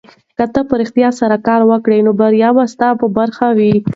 که ته په رښتیا سره کار وکړې نو بریا به ستا په برخه وي.